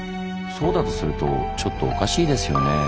そうだとするとちょっとおかしいですよねぇ。